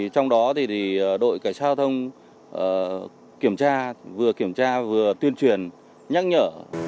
trong đó đội cảnh sát giao thông kiểm tra vừa kiểm tra vừa tuyên truyền nhắc nhở